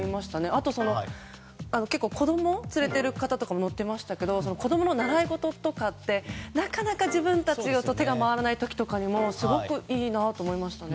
あと、結構子供を連れてる方も乗ってましたけど子供の習い事とかってなかなか自分たちだと手が回らない時とかにもすごくいいなと思いましたね。